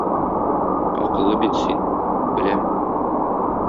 Акыллы бит син, беләм